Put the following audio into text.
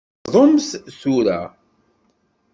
Bdumt tura!